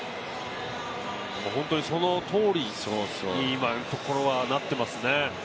本当にそのとおりに今のところはなってますね。